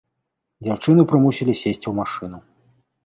Дзяўчыну прымусілі сесці ў машыну.